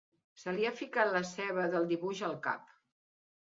Se li ha ficat la ceba del dibuix al cap.